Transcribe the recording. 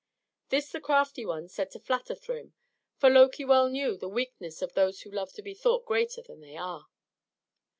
This the crafty one said to flatter Thrym, for Loki well knew the weakness of those who love to be thought greater than they are.